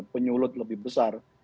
penyulut lebih besar